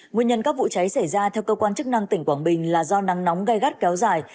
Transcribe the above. nguyên nhân các vụ cháy xảy ra theo cơ quan chức năng tỉnh quảng bình là do nắng nóng gai gắt kéo dài